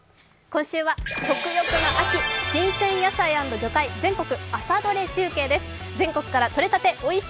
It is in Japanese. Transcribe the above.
今週は食欲の秋、新鮮野菜＆魚介、全国朝どれ中継です。